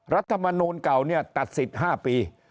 รัฐมนูลเก่าเนี่ยตัดสิทธิ์๕ปี